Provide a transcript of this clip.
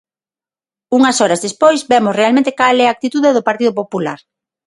Unhas horas despois vemos realmente cal é a actitude do Partido Popular.